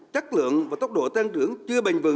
chất lượng và tốc độ tăng trưởng chưa bình vẩn